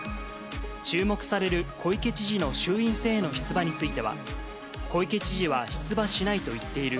注目される小池知事の衆院選への出馬については、小池知事は出馬しないと言っている。